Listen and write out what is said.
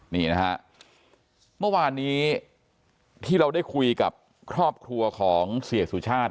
นี่นะฮะเมื่อวานนี้ที่เราได้คุยกับครอบครัวของเสียสุชาติ